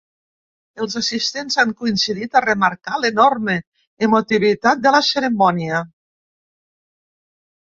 Els assistents han coincidit a remarcar l’enorme emotivitat de la cerimònia.